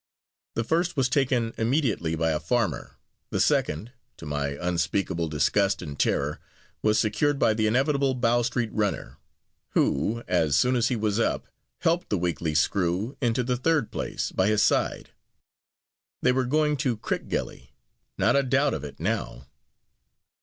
The first was taken immediately by a farmer, the second to my unspeakable disgust and terror was secured by the inevitable Bow Street runner; who, as soon as h e was up, helped the weakly Screw into the third place, by his side. They were going to Crickgelly; not a doubt of it, now.